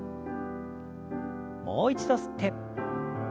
もう一度吸って。